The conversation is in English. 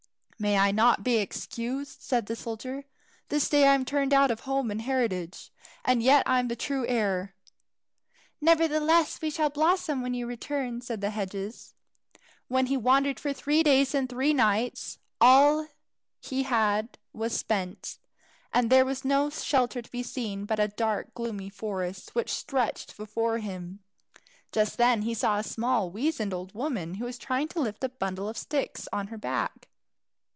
"May I not be excused?" said the soldier. "This day I am turned out, of home and heritage, and yet I am the true heir." "Nevertheless we shall blossom when you return," said the hedges. When he had wandered for three days and three nights, all he had was spent, and there was no shelter to be seen but a dark gloomy forest, which stretched before him. Just then he saw a small, weazened old woman, who was trying to lift a bundle of sticks on to her back.